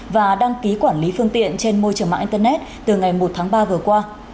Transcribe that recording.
và đăng ký quản lý phương tiện trên môi trường mạng internet từ ngày một tháng ba vừa qua